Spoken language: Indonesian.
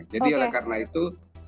jadi oleh karena itu